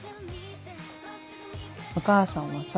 お母さんはさ。